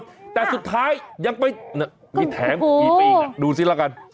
ไม่หยุดแต่สุดท้ายยังไปน่ะมีแถงอีกปีน่ะดูซิละกัน